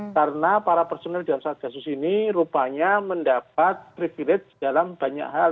karena para personel di dalam satgas sus ini rupanya mendapat privilege dalam banyak hal